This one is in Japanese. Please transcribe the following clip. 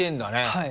はい。